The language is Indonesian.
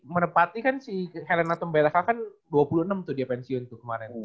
menepati kan si helena tumbelaka kan dua puluh enam tuh dia pensiun tuh kemarin